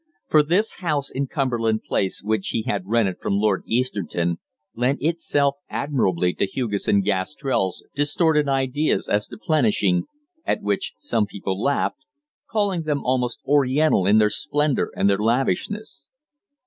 For this house in Cumberland Place which he had rented from Lord Easterton lent itself admirably to Hugesson Gastrell's distorted ideas as to plenishing, at which some people laughed, calling them almost Oriental in their splendour and their lavishness.